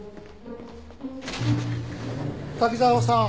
滝沢さん